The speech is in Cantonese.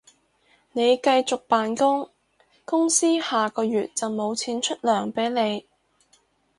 你繼續扮工，公司下個月就無錢出糧畀你